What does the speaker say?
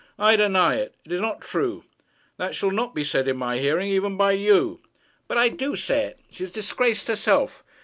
'I deny it. It is not true. That shall not be said in my hearing, even by you.' 'But I do say it. She has disgraced herself.